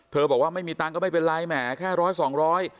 เธอบอกว่าไม่มีตังค์ก็ไม่เป็นไรแหมแค่ร้อย๒๐๐